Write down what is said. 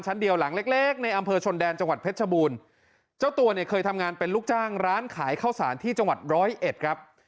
เดียวหลังเล็กเล็กในอำเภอชนแดนจังหวัดเพชรชบูรณ์เจ้าตัวเนี่ยเคยทำงานเป็นลูกจ้างร้านขายข้าวสารที่จังหวัดร้อยเอ็ดครับ